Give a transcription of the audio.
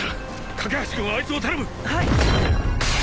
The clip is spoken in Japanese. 架橋君はあいつを頼むはい！